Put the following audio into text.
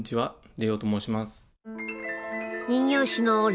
レオと申します。